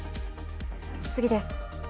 次です。